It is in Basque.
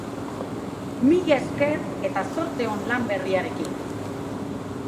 Mila esker eta zorte on lan berriarekin!